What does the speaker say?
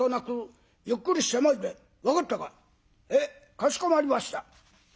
かしこまりました」。